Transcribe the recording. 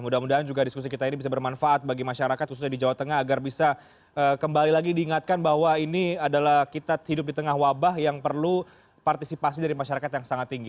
mudah mudahan juga diskusi kita ini bisa bermanfaat bagi masyarakat khususnya di jawa tengah agar bisa kembali lagi diingatkan bahwa ini adalah kita hidup di tengah wabah yang perlu partisipasi dari masyarakat yang sangat tinggi